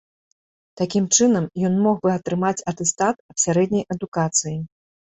Такім чынам ён мог бы атрымаць атэстат аб сярэдняй адукацыі.